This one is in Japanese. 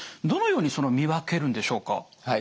どのように見分けるんでしょうか？